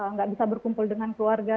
nggak bisa berkumpul dengan keluarga